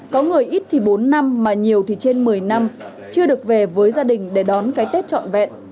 có người ít thì bốn năm mà nhiều thì trên một mươi năm chưa được về với gia đình để đón cái tết trọn vẹn